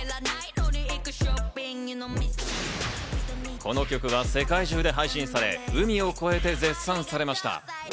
この曲は世界中で配信され、海を越えて絶賛されました。